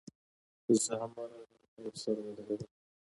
زه هم ورغلم او ورسره ودرېدم.